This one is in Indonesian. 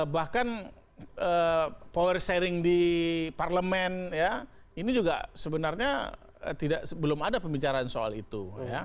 bahkan power sharing di parlemen ini juga sebenarnya belum ada pembicaraan soal itu